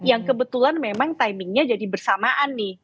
yang kebetulan memang timingnya jadi bersamaan nih